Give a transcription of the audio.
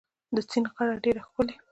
د سیند غاړه ډيره ښکلې